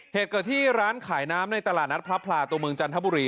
เหตุเกิดที่ร้านขายน้ำในตลาดนัดพระพลาตัวเมืองจันทบุรี